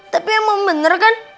tapi emang bener kan